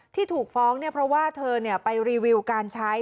ที่ถูกฟ้องเนี่ยเพราะว่าเธอไปรีวิวการใช้